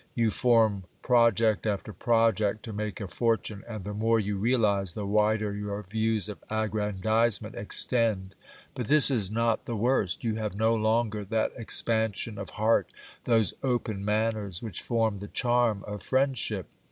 You form project after project to make a for tune, and the more you realize, the wider your views of aggrandizement extend. But this is not the worst ! You have no longer that expansion of heart, those open manners, which form the charm of friendship.